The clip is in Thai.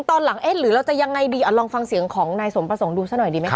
ตอนหลังเอ๊ะหรือเราจะยังไงดีลองฟังเสียงของนายสมประสงค์ดูซะหน่อยดีไหมค